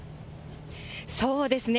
そうですね。